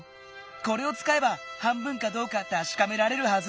これをつかえば半分かどうかたしかめられるはず！